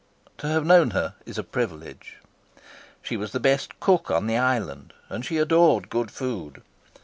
To have known her is a privilege. She was the best cook on the island, and she adored good food.